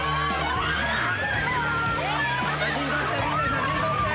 写真撮って。